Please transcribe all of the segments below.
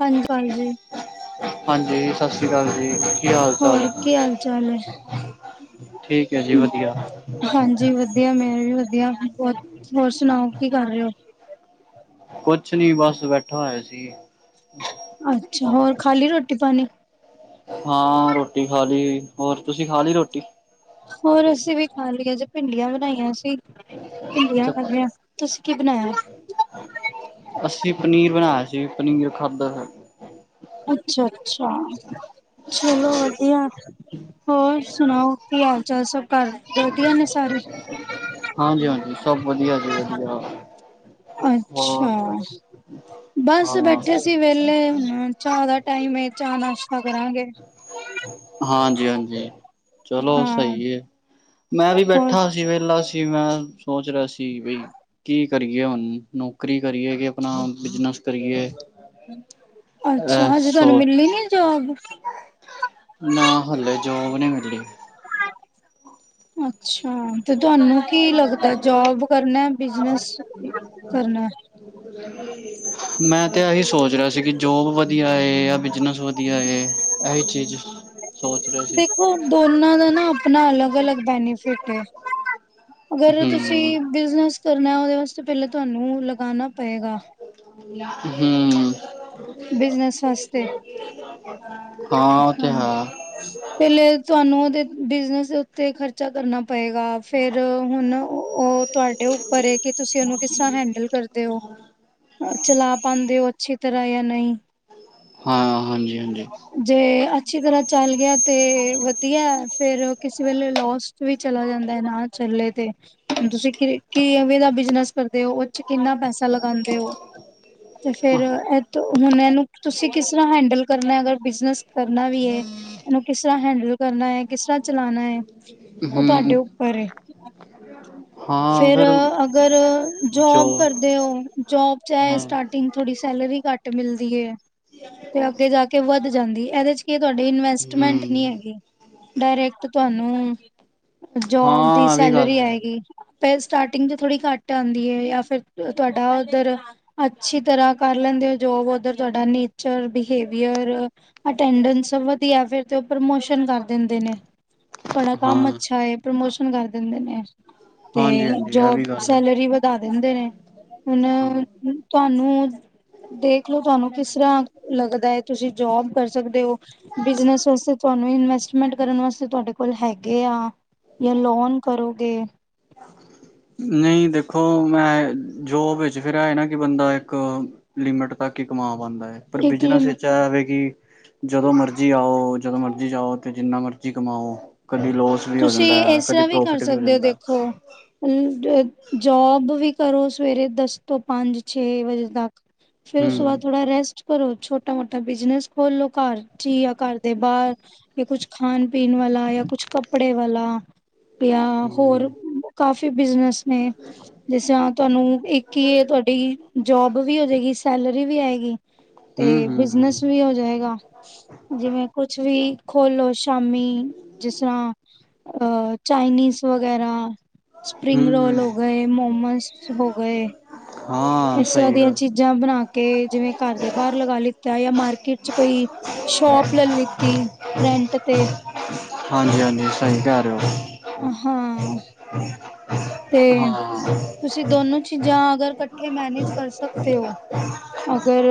ਹਾਂਜੀ ਹਾਂਜੀ। ਹਾਂਜੀ ਸਤਸ਼੍ਰੀਅਕਾਲ ਅਕਾਲ ਜੀ ਕੀ ਹਾਲ ਚਾਲ। ਹੋਰ ਕੀ ਹਾਲ ਚਾਲ ਹੈ? ਠੀਕ ਹੈ ਜੀ ਵਧੀਆ। ਹਾਂਜੀ ਵਧੀਆ ਮੇ ਵੀ ਵਧੀਆ ਬਹੁਤ ਹੋਰ ਸੁਣਾਓ ਕੀ ਕਰ ਰਹੇ ਹੋ। ਕੁਛ ਨੀ ਬਸ ਬੈਠਾ ਹੋਇਆ ਸੀ। ਅਛਾ ਹੋਰ ਖਾਲੀ ਰੋਟੀ ਪਾਣੀ? ਹਾਂ ਰੋਟੀ ਖਾ ਲਈ ਹੋਰ ਤੁਸੀਂ ਖਾ ਲਈ ਰੋਟੀ? ਹੋਰ ਅਸੀ ਵੀ ਖਾ ਲਈਏ ਜੇ ਭਿੰਡੀਆਂ ਬਣਾਈਆਂ ਸੀ। ਭਿੰਡੀਆਂ ਅੱਛਾ ਖਾੱਦਿਆ ਤੁਸੀ ਕੀ ਬਣਾਇਆ? ਅਸੀਂ ਪਨੀਰ ਬਣਾਇਆ ਸੀ, ਪਨੀਰ ਖਾਧਾ। ਅੱਛਾ-ਅੱਛਾ, ਚਲੋ ਵਧੀਆ। ਹੋਰ ਸੁਣਾਓ ਕੀ ਹਾਲ ਚਾਲ ਸਭ ਘਰ ਵਧੀਆ ਨੇ ਸਾਰੇ। ਹਾਂਜੀ ਹਾਂਜੀ ਸਭ ਵਧੀਆ ਜੀ ਵਧੀਆ। ਅੱਛਾ, ਹੋਰ ਬਸ ਹਾਂ ਬੈਠੇ। ਵਿਹਲੇ ਚਾਹ ਦਾ ਟਾਈਮ ਆ ਚਾਹ ਨਾਸ਼ਤਾ ਕਰਾਂਗੇ। ਹਾਂਜੀ-ਹਾਂਜੀ, ਚਲੋ ਹਾਂ ਸਹੀ ਐ ਮੈਂ ਵੀ ਹੋਰ ਬੈਠਾ ਸੀ ਵੇਹਲਾ ਸੀ ਮੈਂ ਸੋਚ ਰਿਹਾ ਸੀ। ਕੀ ਬਈ ਕੀ ਕਰੀਏ ਹਣ ਨੌਕਰੀ ਕਰੀਏ ਕਿ ਆਪਣਾ ਬਿਜਨਸ ਕਰੀਏ। ਅੱਛਾ, ਇਹ ਹਜੇ ਤੁਹਾਨੂੰ ਸੋਚ ਮਿਲਣੀ ਨੀ ਜੋਬ। ਨਾ ਹਲੇ ਜੌਬ ਨੀ ਮਿਲੀ। ਅੱਛਾ ਤੇ ਤੁਹਾਨੂੰ ਕੀ ਲੱਗਦਾ ਜੋਬ ਕਰਨਾ ਬਿਜਨ ਕਰਨਾ- ਮੈਂ ਤੇ ਇਹੀ ਸੋਚ ਰਿਹਾ ਸੀ, ਕਿ ਜੋਬ ਵਧੀਆ ਐ ਜਾਂ ਬਿਜਨਸ ਵਧੀਆ। ਵਧੀਆ ਏ ਇਹੀ ਚੀਜ਼- ਸੋਚ ਰਿਹਾ ਸੀ ਦੇਖੋ ਦੋਨਾਂ ਦਾ ਨਾ ਆਪਣਾ ਅਲੱਗ-ਅਲੱਗ ਬੈਨੀਫਿਟ ਹੈ। ਅਗਰ ਹੂੰ ਤੁਸੀਂ ਬਿਜਨਸ ਕਰਨਾ ਉਹਦੇ ਵਾਸਤੇ ਪਹਿਲਾ ਤੁਹਾਨੂੰ ਲਗਾਣਾ ਪਏਗਾ। ਹੂੰ, ਬਿਜਨਸ ਵਾਸਤੇ। [inaudible] ਉਹ ਤੇ ਹਾਂ, ਹੈ ਪਹਿਲੇ ਤੁਹਾਨੂੰ ਉਹਦੇ ਬਿਜਨਸ ਦੇ- ਤੇ ਖ਼ਰਚਾ ਕਰਨਾ ਪਏਗਾ, ਫੇਰ ਹੁਣ ਉਹ ਤੁਹਾਡੇ ਉੱਪਰ ਐ। ਕਿ ਤੁਸੀਂ ਉਹਨੂੰ ਕਿਸ ਤਰ੍ਹਾਂ ਹੈਂਡਲ ਕਰਦੇ ਹੋ ਚਲਾ ਪਾਂਦੇ ਹੋ ਅੱਛੀ ਤਰ੍ਹਾ ਜਾਂ ਨਹੀਂ, ਹਾਂ ਹਾਂਜੀ-ਹਾਂਜੀ, ਜੇ ਅੱਛੀ ਤਰ੍ਹਾਂ ਚਲ ਗਿਆ ਤੇ ਵਧੀਆ ਫੇਰ ਕਿਸੇ ਵੇਲੇ ਲੋਸ- ਵੀ ਚਲਾ ਜਾਂਦਾ ਨਾ ਚਲੇ ਤੇ ਹੁਣ ਤੁਸੀਂ ਕਿ ਕੀ ਐਵੇਂ ਦਾ ਬਿਜਨਸ। ਕਰਦੇ ਓ ਉਹਦੇ ਚ ਕਿੰਨਾ ਪੈਸਾ ਲਗਾਂਦੇ ਹੋ। ਤੇ ਫੇਰ ਇਹ ਹੁਣ ਇਹਨੂੰ ਤੁਸੀ ਕਿਸ ਤਰ੍ਹਾਂ ਹੈਡਲ ਕਰਨਾ ਅਗਰ ਬਿਜਨਸ। ਕਰਨਾ ਵੀ ਐ, ਇਹਨੂੰ ਕਿਸ ਤਰ੍ਹਾਂ ਹੈਂਡਲ ਕਰਨਾ ਐ, ਕਿਸ ਤਰ੍ਹਾਂ ਚਲਾਣਾ ਐ। ਓ ਹੂੰ ਤੁਹਾਡੇ ਉੱਪਰ ਐ। [unintelligible] ਫੇਰ ਫਿਰ ਅਗਰ ਜੋ ਜੋਬ ਕਰ, ਦੇ ਓ ਜੋਬ ਚ ਹਾਂ ਸਟਾਰਟਿੰਗ ਥੋੜੀ ਸੈਲਰੀ ਘੱਟ ਮਿਲਦੀ ਐ ਤੇ ਅੱਗੇ ਜਾ ਕੇ। ਤੇ ਵੱਧ ਜਾਂਦੀ ਇਹਦੇ ਚ ਕੀ ਤੁਹਾਡੀ ਇਨਵੈਸਟਮੈਂਟ ਨਹੀਂ ਹੂੰ ਹੈਗੀ। ਡਾਇਰੈਕਟ ਤੁਹਾਨੂੰ ਜੋਬ ਦੀ ਹਾਂ ਇਹ ਵੀ ਗੱਲ ਸੈਲਰੀ ਹੈ ਆਏਗੀ। ਸਟਾਰਟਿੰਗ 'ਚ ਥੋੜ੍ਹੀ ਘੱਟ ਆਂਦੀ ਐ। ਜਾਂ ਫਿਰ ਤੁਹਾਡਾ ਉਧਰ- ਅੱਛੀ ਤਰ੍ਹਾਂ ਕਰ ਲੈਂਦੇ ਜੋਬ ਉੱਧਰ ਤੁਹਾਡਾ ਨੇਚਰ ਬਿਹੇਵੀਅਰ। ਅਟੈਂਡਸ ਵਧੀਆ, ਫਿਰ ਤੇ ਉਹ ਪ੍ਰਮੋਸ਼ਨ ਕਰ ਦਿੰਦੇ ਨੇ। ਤੁਹਾਡਾ ਹਾਂ ਕੰਮ ਅੱਛਾ, ਪ੍ਰਮੋਸ਼ਨ ਕਰ ਦਿੰਦੇ ਨੇ। ਤੇ ਹਾਂਜੀ ਹਾਂਜੀ ਇਹ ਵੀ ਜੋਬ ਗੱਲ ਹੈ ਸੈਲਰੀ ਵਧਾ ਦਿੰਦੇ ਨੇ ਹੁਣ। ਹਾਂ ਤੁਹਾਨੂੰ ਦੇਖਲੋ ਤੁਹਾਨੂੰ ਕਿਸ ਤਰ੍ਹਾਂ ਲੱਗਦਾ ਤੁਸੀਂ ਜੋਬ, ਕਰ ਸਕਦੇ ਹੋ, ਬਿਜਨਸ ਵਾਸਤੇ ਤੁਹਾਨੂੰ ਇਨਵੈਸਟ। ਮਟ ਕਰਨ ਵਾਸਤੇ, ਤੁਹਾਡੇ ਕੋਲ ਹੈਗੇ ਆ ਜਾਂ ਲੋਨ ਕਰੋਗੇ। [unintelligible] ਨਹੀਂ ਦੇਖੋ ਮੈਂ ਜੋਬ ਵਿੱਚ ਫਿਰ ਨਾ ਕਿ ਬੰਦਾ ਇੱਕ ਲਿਮਿਟ ਤੱਕ ਹੀ ਕਮਾ ਪਾਂਦਾ ਐ। ਪਰ ਇੱਕ ਬਿਜਨਸ ਲਿਮ ਵਿੱਚ ਇਹ ਆ ਕਿ ਬੰਦਾ- ਜਦੋ ਮਰਜ਼ੀ ਆਓ ਜਦੋਂ ਮਰਜ਼ੀ ਜਾਓ ਤੇ ਜਿਨ੍ਹਾਂ ਮਰਜ਼ੀ ਕਮਾਓ ਕਦੀ ਲੋਸ- ਵੀ ਹੋ ਤੁਸੀਂ ਜਾਂਦਾ ਹੈ ਇਸ ਕਦੀ ਤਰ੍ਹਾਂ ਵੀ ਕਰ ਪ੍ਰੋਫਿਟ ਸਕਦੇ ਹੋ ਜਾਂਦਾ ਦੇਖੋ ਅ। ਜੋਬ ਵੀ ਕਰੋ ਸਵੇਰੇ ਦਸ ਤੋ ਪੰਜ ਛੇ ਵਜੇ ਤਕ ਫੇਰ ਉਸ ਤੋ ਹਮ ਬਾਅਦ। ਥੋੜਾ ਰੈਸਟ ਕਰੋ ਛੋਟਾ-ਮੋਟਾ, ਬਿਜਨਸ ਖੋਲੋ ਘਰ ਚ ਹੀ ਆ ਘਰ ਦੇ ਬਾਹਰ। ਕੁੱਛ ਖਣ ਪੀਣ ਵਾਲਾ ਯਾ ਕੁੱਛ ਕੱਪੜੇ ਵਾਲਾ ਯਾ ਹਮ ਹੋਰ ਕਾਫੀ ਬਿਜਨਸ ਨੇ- ਜਿਸ ਰਾ ਤੁਹਾਨੂੰ ਇੱਕੀ ਏ ਤੁਹਾਡੀ ਜੋਬ ਵੀ ਹੋ ਜੇਗੀ ਸੈਲਰੀ ਵੀ ਆਏਗੀ। ਤੇ ਹਮ ਹਮ ਹਮ ਬਿਜਨਸ ਵੀ ਹੋ ਜਾਏਗਾ। ਜਿਵੇਂ ਕੁਛ ਵੀ ਖੋਲੋ ਸ਼ਾਮੀ ਜਿਸ ਤਰ੍ਹਾਂ ਅ ਚਾਈਨੀਜ਼ ਵਗੈਰਾ। ਸਪਰਿੰਗ ਹਮ ਰੋਲ ਹੋ ਗਏ ਮੋਮਸ ਹੋ ਗਏ ਹਾਂ ਇਸ ਰਾ ਸਹੀ ਦੀਆ ਗੱਲ ਚੀ ਜਾਂ ਬਣਾ ਕੇ ਜਿਵੇਂ ਘਰ ਦੇ ਬਾਹਰ ਲਗਾ ਲਿੱਤਾ ਜਾਂ ਮਾਰਕੀਟ ਚ ਕੋਈ ਸ਼ੋਪ ਲੈ ਲਿੱਤੀ ਰੈਂਟ ਤੇ- ਹਾਂਜੀ- ਹਾਂਜੀ ਸਹੀ ਕਹਿ ਰਹੇ ਹੋ। ਹਾਂ- ਹਮ। ਤੇ ਤੁਸੀ ਦੋਨੋ ਚੀਜਾਂ ਅਗਰ ਇਕਠੇ ਮੈਨੇਜ ਕਰ ਸਕਦੇ ਹੋ। ਅਗਰ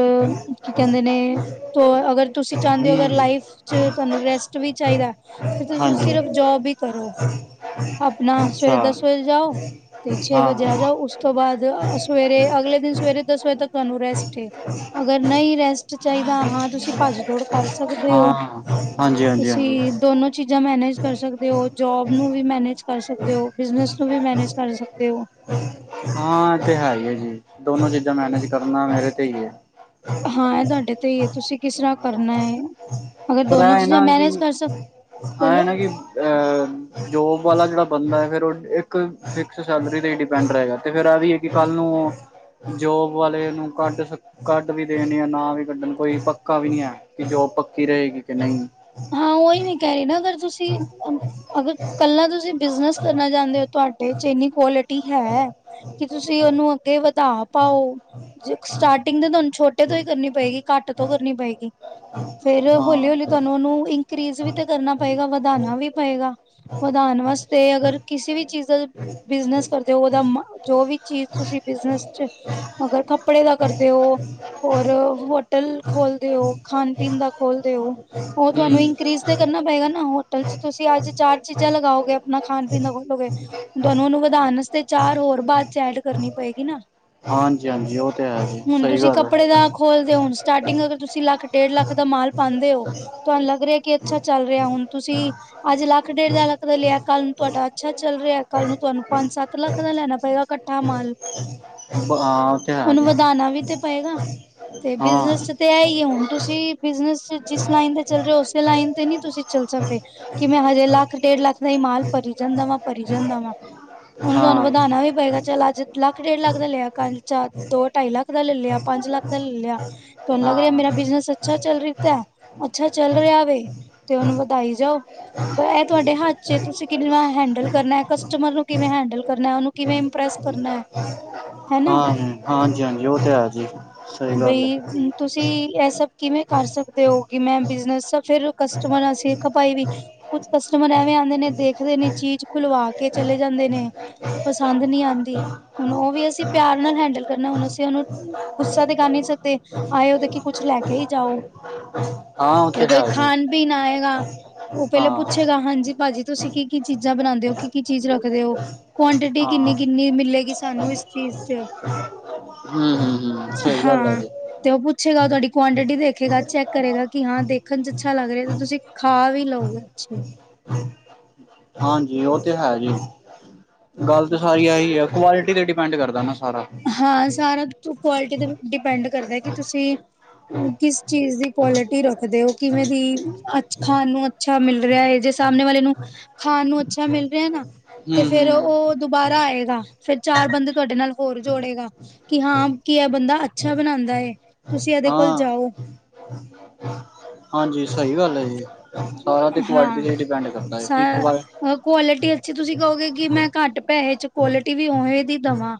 ਕੀ ਕਹਿੰਦੇ ਨੇ ਤੋ ਅਗਰ- ਤੁਸੀਂ ਚਾਹੁੰਦੇ ਹੋ, ਅਗਰ ਹਮ ਲਾਈਫ ਚ ਤੁਹਾਨੂੰ ਰੈਸਟ ਵੀ ਚਾਹੀਦੈ ਫ ਤੁਸੀਂ ਹਾਂਜੀ ਸਿਰਫ। ਜੋਬ ਹੀ ਕਰੋ ਆਪਣਾ ਅੱਛਾ ਸਵੇਰੇ ਦਸ ਵਜੇ ਜਾਓ ਤੇ ਛੇ ਹਾਂ ਵਜੇ ਆ ਹਾਂ ਜਾਓ ਉਸ। ਤੋ ਬਾਅਦ ਸਵੇਰੇ ਅਗਲੇ ਦਿਨ ਸਵੇਰੇ ਦਸ ਵਜੇ ਤੱਕ ਤੁਹਾਨੂੰ ਰੈਸਟ ਏ। ਅਗਰ ਨਹੀਂ ਰੈਸਟ ਚਾਹੀਦਾ ਹਾਂ ਤੁਸੀਂ ਭੱਜ ਦੌੜ ਕਰ ਸਕਦੇ ਹੋ ਹਾਂਜੀ ਹਾਂਜੀ ਤੁਸੀ ਹਾਂਜੀ ਦੋਨੋ ਚੀਜ਼ਾਂ ਮੈਨੇਜ ਕਰ ਸਕਦੇ- ਦੇ ਹੋ ਜੋਬ ਨੂੰ ਵੀ ਮੈਨੇਜ ਕਰ ਸਕਦੇ ਹੋ ਬਿਜਨਸ ਨੂੰ ਵੀ ਮੈਨੇਜ ਕਰ ਸਕਦੇ ਹੋ ਹਾਂ ਇਹ ਤੇ ਹੈ ਹੀ ਏ ਜੀ ਦੋਨੋ ਚੀਜ਼ਾਂ ਮੈਨੇਜ ਕਰਨਾ ਮੇਰੇ ਤੇ ਹੀ ਏ। ਹਾਂ ਇਹ ਤੁਹਾਡੇ ਤੇ ਹੀ ਏ, ਤੁਸੀਂ ਕਿਸ ਤਰ੍ਹਾਂ ਕਰਨਾ ਏ। ਪਰ ਇਹ ਏ ਨਾ ਕਿ ਆਹ ਹੈ ਬੋਲੋ ਨਾ ਕਿ ਅਹ- ਜੋਬ ਵਾਲਾ ਜਿਹੜਾ ਬੰਦਾ ਏ, ਫੇਰ ਉਹ ਇੱਕ ਫਿਕਸ ਸੈਲਰੀ ਤੇ ਹੀ ਡਿਪੈਂਡ ਰਹੇਗਾ, ਤੇ ਫੇਰ ਆ ਵੀ ਏ ਕਿ ਕੱਲ੍ਹ ਨੂੰ। ਜੋਬ ਵਾਲੇ ਨੂੰ ਕੱਢ ਕੱਢ ਵੀ ਦੇਣ ਯਾ ਨਾ ਵੀ ਕੱਢਣ ਕੋਈ ਪੱਕਾ ਵੀ ਨਹੀ ਏ ਕਿ ਜੋਬ ਪੱਕੀ ਰਹੇਗੀ ਕਿ ਨਹੀ ਹਾਂ ਉਹੀ ਮੈਂ ਕਹਿ ਰਹੀ ਨਾ ਅਗਰ ਤੁਸੀ- ਅਗਰ ਕਲਾ ਤੁਸੀ ਬਿਜਨਸ ਕਰਨਾ ਚਾਹਦੇ ਹੋ ਤੁਹਾਡੇ 'ਚ ਏਨੀ ਕੁਲ- ਹੈ। ਕਿ ਤੁਸੀ ਉਹਨੂੰ ਅਗੇ ਵ ਧਾ ਪਾਓ ਸਟਾਰਟਿੰਗ ਤੇ ਤੁਹਾਨੂੰ ਛੋਟੇ ਤੋ ਹੀ ਕਰਨੀ ਪਏਗੀ ਘੱਟ ਤੋਂ ਕਰਨੀ ਪਏਗੀ। ਫੇਰ ਹੋਲੀ- ਹੋਲੀ ਹਾਂ ਤੁਹਾਨੂੰ ਉਹਨੂੰ ਇੰਕਰੀਜ਼ ਵੀ ਤੇ ਕਰਨਾ ਪਏਗਾ ਵਧਾਣਾ ਵੀ ਪਏਗਾ। ਵਧਾਣ ਵਾਸਤੇ ਅਗਰ ਕਿਸੇ ਵੀ ਚੀਜ਼ ਦਾ। ਬਿਜਨਸ ਕਰਦੇ ਹੋ ਉਹਦਾ ਜੋ ਵੀ ਚੀਜ਼ ਤੁਸੀਂ ਬਿਜਨਸ ਚ ਅਗਰ ਕੱਪੜੇ ਦਾ ਕਰਦੇ ਹੋ। ਹੋਰ ਹੋਟਲ ਖੋਲਦੇ ਹੋ ਖਾਣ ਪੀਣ ਦਾ ਖੋਲਦੇ ਹੋ। ਉਹ ਹੂੰ ਤੁਹਾਨੂੰ ਇੰਕਰੀਜ਼ ਤਾਂ ਕਰਨਾ ਪਏਗਾ ਨਾ ਹੋਟਲ ਚ ਤੁਸੀ ਅੱਜ ਚਾਰ ਚੀਜਾ ਲਗਾਓਗੇ ਆਪਣਾ ਖਾਣ ਪੀਣ ਖੋਲੋਗੇ। ਤੁਹਾਨੂੰ ਉਹਨੂੰ ਵਧਾਣ ਵਾਸਤੇ ਚਾਰ ਹੋਰ ਬਾਅਦ 'ਚ ਐਡ ਕਰਨੀ ਪਏਗੀ ਨਾ- ਹਾਂਜੀ ਹਾਂਜੀ ਉਹ ਤੇ ਹੈ ਜੀ ਹੁਣ ਸਹੀ ਤੁਸੀ ਗੱਲ ਹੈ ਕੱਪੜੇ ਦਾ ਖੋਲਦੇ ਹੋ ਹੁਣ ਸਟਾਰਟਿੰਗ ਅਗਰ ਤੁਸੀ ਲੱਖ- ਡੇਢ ਲੱਖ ਦਾ ਮਾਲ ਪਾਂਦੇ ਹੋ ਤੁਹਾਨੂੰ ਲਗ ਰਿਹਾ ਕਿ ਅੱਛਾ ਚਲ ਰਿਹਾ ਹੁਣ ਤੁਸੀ- ਅਜ ਲੱਖ ਡੇਢ ਲੱਖ ਦਾ ਲਿਆ ਕਲ ਨੂੰ ਤੁਹਾਡਾ ਅੱਛਾ ਚਲ ਰਿਹਾ ਕਲ ਨੂੰ ਤੁਹਾਨੂੰ ਪੰਜ ਸੱਤ ਲੱਖ ਦਾ ਲੈਣਾ ਪਏਗਾ ਕ- ਹਾਂ [unintelligible] ਆਹ ਤੇ ਉਹਨੂੰ ਹੀ ਏ ਵਧਾਉਣਾ ਵੀ ਤੇ ਪਏਗਾ ਹਾਂ‌ ਤੁਸੀ ਬਿਜਨਸ ਚ ਜਿਸ ਲਾਈਨ ਤੇ ਚਲ ਰਹੇ ਹੋ ਉਸੇ ਲਾਈਨ ਤੇ ਨਹੀ ਤੁਸੀ ਚਲ ਸਕਦੇ। ਕਿ ਮੈਂ ਹਜੇ ਲੱਖ ਡੇਢ ਲੱਖ ਦਾ ਹੀ ਮਾਲ ਭਰੀ ਜਾਂਦਾ ਵਾ ਭਰੀ ਜਾਂਦਾ ਵਾਂ। ਉਹਨੂੰ ਤੁਹਾਨੂੰ ਹਾਂ ਵਧਾਣਾ ਵੀ ਪਏਗਾ, ਚੱਲ ਅੱਜ। ਲੱਖ ਡੇਢ ਲੱਖ ਦਾ ਲਿਆ ਕਲ ਚਾਰ ਦੋ -ਢਾਈ, ਲੱਖ ਦਾ ਲੈ ਲਿਆ ਪੰਜ- ਲੱਖ, ਦਾ ਲੈ ਲਿਆ। ਤੁਹਾਨੂੰ ਲੱਗ ਰਿਹਾ ਹਾਂ ਮੇਰਾ ਬਿਜਨਸ ਅੱਛਾ ਚੱਲ ਰਿ ਤੈ ਅੱਛਾ ਚੱਲ ਰਿਹਾ ਵੇ ਤੇ ਉਹਨੂੰ ਵਧਾਈ ਜਾਓ ਇਹ ਤੁਹਾਡੇ ਹੱਥ ਚ ਏ ਤੁਸੀਂ ਕਿਵੇਂ ਹੈਂਡਲ ਕਰਨੈ ਕਸਟਮਰ ਨੂੰ ਕਿਵੇਂ ਹੈਂਡਲ ਕਰਨੈ ਉਹਨੂੰ ਕਿਵੇਂ ਇੰਪ੍ਰੈਸ ਕਰਨੈ ਹਾਂ ਹਾਂਜੀ, ਹਾਂਜੀ ਉਹ ਤੇ ਹੈ ਜੀ। ਸਹੀ ਗੱਲ ਹੈ ਬਈ ਤੁਸੀਂ ਇਹ ਸਭ ਕਿਵੇਂ ਕਰ ਸਕਦੇ ਹੋ। ਕਿ ਮੈਂ ਬਿਜਨਸ ਫੇਰ ਕਸਟਮਰ ਸਿੱਖ ਪਾਈ ਵੀ। ਕੁਛ ਕਸਟਮਰ ਐਵੇਂ ਆਂਦੇ ਨੇ ਦੇਖਦੇ ਨੇ ਚੀਜ਼ ਖੁਲਵਾ ਕੇ ਚਲੇ ਜਾਂਦੇ ਨੇ। ਪਸੰਦ ਨੀ ਆਂਦੀ। ਹੁਣ ਉਹ ਵੀ ਅਸੀਂ ਪਿਆਰ ਨਾਲ ਹੈਂਡਲ ਕਰਨਾ ਹੁਣ ਅਸੀਂ ਉਹਨੂੰ ਗੁੱਸਾ ਤੇ ਕਰ ਨੀ ਸਕਦੇ। ਆਏ ਉਹਦੇ ਕੀ ਕੁਛ ਲੈ ਕੇ ਹੀ ਜਾਓ ਹਾਂ ਉਹ ਜਾਂ ਤੇ ਕੋਈ ਹੈ ਜੀ ਖਾਣ ਪੀਣ ਆਏਗਾ। ਉਹ ਪਹਿਲੇ ਹਾਂ ਪੁੱਛੇਗਾ ਹਾਂਜੀ ਭਾਜੀ ਤੁਸੀਂ ਕੀ ਕੀ ਚੀਜ਼ਾਂ ਬਣਾਂਦੇ ਹੋ ਕੀ ਕੀ ਚੀਜ਼ ਰੱਖਦੇ ਹੋ। ਕੁਆਂਟਿਟੀ ਹਾਂ ਕਿੰਨੀ-ਕਿੰਨੀ ਮਿਲੇਗੀ ਸਾਨੂੰ ਇਸ ਚੀਜ਼ ਚ। ਹੂੰ, ਹਾਂ ਤੇ ਉਹ ਪੁੱਛੇਗਾ ਉਹ ਤੁਹਾਡੀ ਕੁਆਂਆਂਟਿਟੀ ਦੇਖੇਗਾ ਚੈੱਕ ਕਰੇਗਾ। ਕਿ ਹਾਂ ਦੇਖਣ ਚ ਅੱਛਾ ਲੱਗ ਰਿਹਾ ਤੇ ਤੁਸੀਂ ਖਾ ਵੀ ਲਓਗੇ ਤੁਸੀਂ। ਜੀ ਉਹ ਤੇ ਹੈ ਜੀ ਗੱਲ ਤੇ ਸਾਰੀ ਆਹੀ ਆ ਕੁਆਲਿਟੀ ਤੇ ਡਿਪੈਂਡ ਕਰਦਾ ਨਾ ਸਾਰਾ ਹਾਂ ਸਾਰਾ ਕੁਆਲਿਟੀ ਤੇ ਡਿਪੈਂਡ ਕਰਦਾ ਕਿ ਤੁਸੀਂ ਕਿਸ ਚੀਜ਼ ਦੀ ਕੁਆਲਿਟੀ ਰੱਖਦੇ ਹੋ ਕਿਵੇਂ ਦੀ ਅੱਜ ਖਾਣ ਦੀ ਅੱਛਾ ਮਿਲ ਰਿਹਾ ਜੇ ਸਾਹਮਣੇ ਵਾਲੇ ਨੂੰ ਖਾਣ ਨੂੰ ਅੱਛਾ ਮਿਲ ਰਿਹਾ ਨਾ ਤੇ ਹਮ ਫੇਰ ਹਮ ਉਹ ਦੁਬਾਰਾ ਆਏਗਾ ਫੇਰ ਚਾਰ ਬੰਦੇ ਤੁਹਾਡੇ ਨਾਲ ਹੋਰ ਜੋੜੇਗਾ ਕਿ ਹਾਂ ਕੀ ਐ ਬੰਦਾ ਅੱਛਾ ਬਣਾਂਦਾ ਏ ਤੁਸੀਂ ਇਹਦੇ ਕੋਲ ਹਾਂ ਜਾਓ। ਹਾਂਜੀ ਸਹੀ ਗੱਲ ਐ ਜੀ ਸਾਰਾ ਤੇ ਕੁਆਲਿਟੀ ਹਾਂ ਤੇ ਹੀ ਡਿਪੈਂਡ ਕਰਦਾ ਕੀ ਕੁ ਕੁਆਲਿਟੀ ਅੱਛੀ ਤੁਸੀਂ ਕਹੋਗੇ ਕਿ ਮੈਂ ਘੱਟ ਪੈਸੇ ਚ ਕੁਆਲਿਟੀ ਵੀ ਓਵੇਂ ਦੀ ਦੇਵਾ।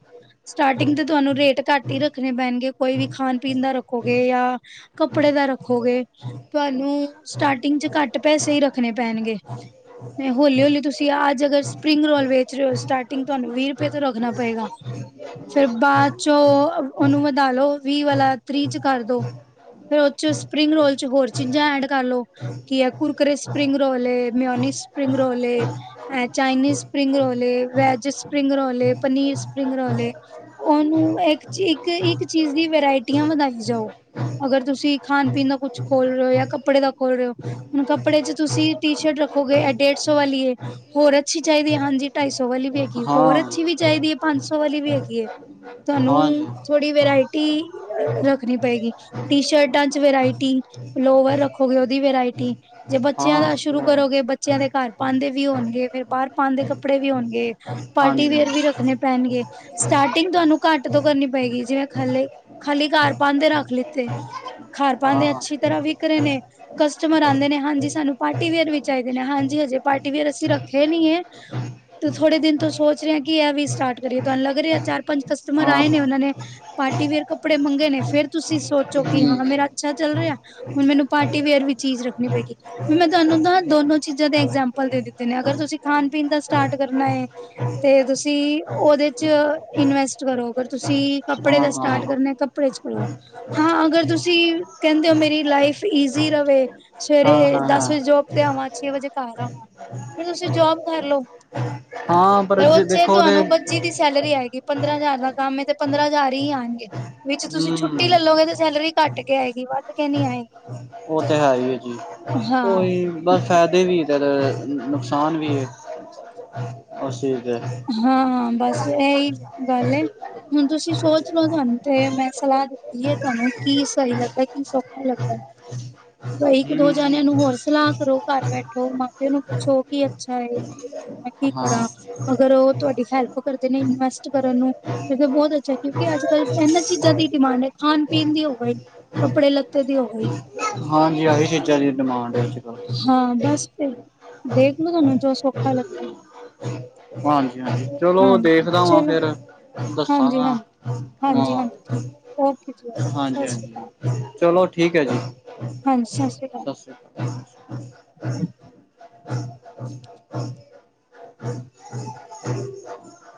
ਸਟਾਰਟਿੰਗ ਤੇ ਤੁਹਾਨੂੰ ਰੇਟ ਘੱਟ ਹੀ ਰੱਖਣੇ ਪੈਣਗੇ ਕੋਈ ਵੀ ਖਾਣ ਪੀਣ ਦਾ ਰੱਖੋਗੇ ਜਾਂ ਕੱਪੜੇ ਦਾ ਰੱਖੋਗੇ ਤੁਹਾਨੂੰ ਸਟਾਰਟਿੰਗ ਚ ਘੱਟ ਪੈਸੇ ਹੀ ਰੱਖਣੇ ਪੈਣਗੇ। ਹੌਲੀ ਹੌਲੀ, ਤੁਸੀਂ ਅੱਜ ਅਗਰ ਸਪਰਿੰਗ ਰੋਲ ਵੇਚ ਰਹੇ ਹੋ ਸਟਾਰਟਿੰਗ ਤੁਹਾਨੂੰ ਵੀਹ ਰੁਪਏ ਤੋਂ ਰੱਖਣਾ ਪਏਗਾ। ਫੇਰ ਬਾਅਦ ਚੋਂ ਉਹਨੂੰ ਵਧਾਲੋ ਵੀਹ ਵਾਲਾ ਤੀਹ ਚ ਕਰ ਦੋ। ਫੇਰ ਉਹ ਚ ਸਪਰਿੰਗ ਰੋਲ ਚ ਹੋਰ ਚੀਜ਼ਾਂ ਐਡ ਕਰਲੋ ਕੀ ਐ ਕੁਰਕਰੇ ਸਪ੍ਰਿੰਗ ਰੋਲ ਐ ਮਿਓਨੀ ਸਪ੍ਰਿੰਗ ਰੋਲ ਐ। ਚਾਈਨੀਜ਼ ਸਪ੍ਰਿੰਗ ਰੋਲ ਏ ਵੈਜ ਸਪਰਿੰਗ ਰੋਲ ਏ ਪਨੀਰ ਸਪਰਿੰਗ ਰੋਲ ਏ ਉਹਨੂੰ ਇੱਕ ਇੱਕ ਇੱਕ ਚੀਜ਼ ਦੀ ਵੇਰਾਇਟੀਆਂ ਵਧਾਈ ਜਾਓ। ਅਗਰ ਤੁਸੀਂ ਖਾਣ ਪੀਣ ਦਾ ਕੁਛ ਖੋਲ ਰਹੇ ਹੋ ਜਾਂ ਕੱਪੜੇ ਦਾ ਖੋਲ ਰਹੇ ਹੋ। ਹੁਣ ਕੱਪੜੇ ਚ ਤੁਸੀਂ ਟੀ ਸ਼ਰਟ ਰੱਖੋਗੇ ਡੇਢ ਸੌ ਵਾਲੀ। ਹੋਰ ਅੱਛੀ ਚਾਹੀਦੀ ਐ ਹਾਂਜੀ ਢਾਈ ਸੌ ਵਾਲੀ ਵੀ ਹੈਗੀ ਹੋਰ ਹਾਂ ਅੱਛੀ ਵੀ ਚਾਹੀਦੀ ਐ ਪੰਜ ਸੌ ਵਾਲੀ ਵੀ ਹੈਗੀ ਐ। ਹਾਂਜੀ ਤੁਹਾਨੂੰ ਥੋੜ੍ਹੀ ਵਰਾਇਟੀ ਰੱਖਣੀ ਪਏਗੀ। ਟੀ ਸ਼ਰਟਾਂ ਚ ਵਰਾਇਟੀ ਲੋਅਰ ਰੱਖੋਗੇ ਉਹਦੀ ਵਰਾਇਟੀ। ਜੇ ਹਾਂ ਬੱਚਿਆਂ ਦਾ ਉਹ ਤੇ ਸ਼ੁਰੂ ਹੈ ਕਰੋਗੇ ਬੱਚਿਆਂ ਦੇ ਘਰ ਪਾਣ ਵੀ ਹੋਣਗੇ ਫੇਰ ਬਾਹਰ ਪਾਣ ਦੇ ਵੀ ਕੱਪੜੇ ਵੀ ਹੋਣਗੇ। ਪਾਰਟੀ ਹਾਂਜੀ ਹਾਂ ਵੇਅਰ ਵੀ ਰੱਖਣੇ ਪੈਣਗੇ ਸਟਾਰਟਿੰਗ ਤੁਹਾਨੂੰ ਘੱਟ ਤੋਂ ਕਰਨੀ ਪਏਗੀ ਜਿਵੇਂ ਹਲੇ। ਖਾਲੀ ਘਰ ਪਾਣ ਦੇ ਰੱਖ ਲਿੱਤੇ ਘਰ ਪਾਣ ਦੇ ਹਾਂ ਅੱਛੀ ਤਰ੍ਹਾਂ ਵਿਕ ਰਹੇ ਨੇ। ਕਸਟਮਰ ਆਂਦੇ ਨੇ। ਹਾਂਜੀ ਸਾਨੂੰ ਪਾਰਟੀ ਵੇਅਰ ਵੀ ਚਾਹੀਦੇ ਨੇ ਹਾਂਜੀ ਹਜੀ ਪਾਰਟੀਵੇਅਰ ਅਸੀਂ ਰੱਖੇ ਨੀ ਐ। ਤੇ ਥੋੜੇ ਦਿਨ ਤੋਂ ਸੋਚ ਰਿਹਾ ਕਿ ਇਹ ਵੀ ਸਟਾਰਟ ਕਰੀਏ ਤੁਹਾਨੂੰ ਲੱਗ ਰਿਹਾ ਚਾਰ ਪੰਜ ਕਸਟਮਰ ਹਾਂ ਆਏ ਨੇ ਉਹਨਾਂ ਨੇ ਪਾਰਟੀ ਵੇਅਰ ਕੱਪੜੇ ਮੰਗੇ ਨੇ ਫੇਰ ਤੁਸੀਂ ਸੋਚੋ ਕਿ ਹਮ ਹਾਂ ਮੇਰਾ ਅੱਛਾ ਚੱਲ ਰਿਹਾ। ਹੁਣ ਮੈਨੂੰ ਪਾਰਟੀ ਵੇਅਰ ਵੀ ਚੀਜ਼ ਰੱਖਣੀ ਪਏਗੀ। ਮੈਂ ਤੁਹਾਨੂੰ ਤਾਂ ਦੋਨੋ ਚੀਜ਼ਾਂ ਦੇ ਇਗਜਾਮਪਲ ਦੇ ਦਿੱਤੇ ਨੇ ਅਗਰ ਤੁਸੀਂ ਖਾਣ ਪੀਣ ਦਾ ਸਟਾਰਟ ਕਰਨਾ ਹੈ। ਤੇ ਤੁਸੀਂ ਉਹਦੇ ਚ ਇਨਵੈਸਟ ਕਰੋ ਅਗਰ ਤੁਸੀਂ ਕੱਪੜੇ ਹਾਂ ਹਾਂ ਦਾ ਹਾਂ ਸਟਾਰਟ ਕਰਨਾ। ਕੱਪੜੇ [unintelligible] ਹਾਂ ਅਗਰ ਤੁਸੀਂ ਕਹਿੰਦੇ ਹੋ ਮੇਰੀ ਲਾਈਫ ਈਜ਼ੀ ਰਹੇ। ਹਾਂ ਦਸ ਵਜੇ ਹਾਂ ਜੋਬ ਤੇ ਆਵਾਂ ਛੇ ਵਜੇ ਘਰ ਆਵਾਂ ਫਿਰ ਤੁਸੀਂ ਜੋਬ ਕਰ ਲਓ। ਹਾਂ ਪਰ ਫਿਰ ਓ ਜੇ ਚ ਦੇਖੋ ਤੇ ਤੁਹਾਨੂੰ। [unintelligible] ਦੀ ਸੈਲਰੀ ਆਏਗੀ ਪੰਦਰਾਂ ਹਜ਼ਾਰ ਦਾ ਕੰਮ ਐ ਤੇ ਪੰਦਰਾਂ ਹਜ਼ਾਰ ਹੀ ਆਣਗੇ। ਵਿੱਚ ਤੁਸੀਂ ਹੂੰ, ਛੁੱਟੀ ਲੈਲੋਗੇ ਤਾਂ ਸੈਲਰੀ ਘੱਟ ਕੇ ਆਏਗੀ ਵੱਧ ਕੇ ਨੀ ਆਏਗੀ। ਉਹ ਤਾਂ ਹੈਈ ਐ ਜੀ ਹਾਂ ਉਹੀ, ਬਸ ਫਾਇਦੇ ਵੀ ਤੇ ਨੁਕਸਾਨ ਵੀ। ਅਸੀ ਗਏ, ਹਾਂ, ਹਾਂ, ਬਸ ਇਹੀ ਗੱਲ ਹੁਣ ਤੁਸੀਂ ਸੋਚ ਲੋ ਤੁਹਾਨੂੰ ਤੇ ਮੈਂ ਸਲਾਹ ਦਿੱਤੀ ਹੈ, ਤੁਹਾਨੂੰ ਕੀ ਸਹੀ ਲੱਗਦਾ ਕੀ ਸੋਖਾ ਲੱਗਦਾ। ਹਾਂ, ਕਈ ਦੋ ਜਾਣਿਆਂ ਨੂੰ ਹੋਰ ਸਲਾਹ ਕਰੋ, ਘਰ ਬੈਠੋ ਮਾਂਪਿਓ ਨੂੰ ਪੁੱਛੋ ਕੀ ਅੱਛਾ ਹੈ ਮੇਰੇ ਲਈ ਮੈਂ ਕੀ ਹਾਂ, ਕਰਾਂ, ਅਗਰ ਉਹ ਤੁਹਾਡੀ ਹੈਲਪ ਕਰਦੇ ਨੇ ਇਨਵੈਸਟ ਕਰਨ ਨੂੰ ਕਿਉਂਕਿ ਬਹੁਤ ਅੱਛਾ ਕਿਉਂਕਿ, ਅੱਜ-ਕੱਲ ਇਹਨਾਂ ਚੀਜ਼ਾਂ ਦੀ ਡਿਮਾਂਡ ਹੈ ਖਾਣ ਪੀਣ ਦੀ ਹੋਵੇ। ਕੱਪੜੇ ਲੱਤੇ ਦੀ ਉਹੀ ਹਾਂਜੀ, ਆਹੀ ਚੀਜ਼ਾਂ ਦੀ ਡਿਮਾਂਡ ਹੈ ਅੱਜ-ਕੱਲ੍ਹ। ਹਾਂ, ਬਸ ਫਿਰ ਦੇਖ ਲੋ ਤੁਹਾਨੂੰ ਜੋ ਸੌਖਾ ਲੱਗਦਾ। ਹਾਂਜੀ-ਹਾਂਜੀ, ਚਲੋ, ਹਾਂਜੀ ਦੇਖਦਾ ਵਾਂ ਚਲੋ ਫੇਰ ਹਾਂਜੀ ਦੱਸਾਂਗਾ। ਹਾਂਜੀ ਹਾਂਜੀ ਹਾਂਜੀ ਠੀਕ ਓਕੇ ਜੀ ਓਕੇ ਸਤਿ ਸ਼੍ਰੀ ਹਾਂਜੀ-ਹਾਂਜੀ, ਅਕਾਲ ਚਲੋ ਠੀਕ ਹੈ, ਹਾਂਜੀ ਸਤਿ ਸ਼੍ਰੀ ਅਕਾਲ ਜੀ। [unintelligible] [unintelligible]